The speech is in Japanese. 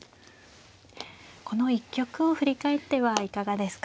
この一局を振り返ってはいかがですか。